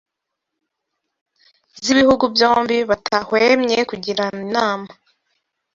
z’ibihugu byombi batahwemye kugirana inama